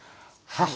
はい。